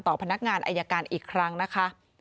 พนักงานอายการอีกครั้งนะคะ